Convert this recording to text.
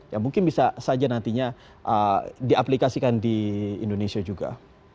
ya mungkin bisa saja nantinya diaplikasikan di indonesia juga